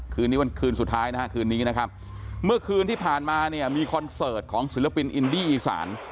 คืนนี้วันคืนสุดท้ายนะฮะคืนนี้นะครับเมื่อคืนที่ผ่านมาเนี่ยมีคอนเสิร์ตของศิลปินอินดี้อีสาน